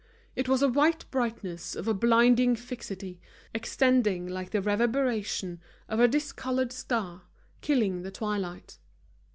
It was a white brightness of a blinding fixity, extending like the reverberation of a discoloured star, killing the twilight.